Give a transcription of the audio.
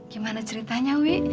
gimana ceritanya wih